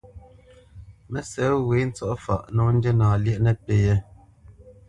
Mə́sɛ̌t wě ntsɔ̂faʼ nǒ ndína lyéʼ nəpí yɛ̌.